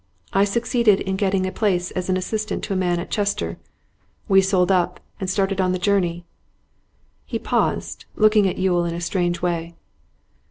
I succeeded in getting a place as an assistant to a man at Chester. We sold up, and started on the journey.' He paused, looking at Yule in a strange way.